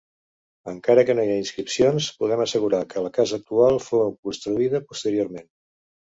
Encara que no hi ha inscripcions, podem assegurar que la casa actual fou construïda posteriorment.